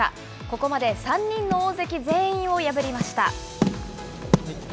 ここまで３人の大関全員を破りました。